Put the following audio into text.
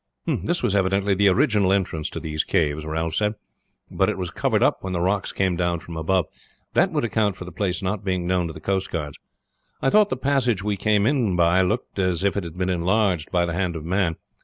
"This was evidently the original entrance to these caves," Ralph said, "but it was covered up when the rocks came down from above. That would account for the place not being known to the coast guards. I thought the passage we came in by looked as if it had been enlarged by the hand of man.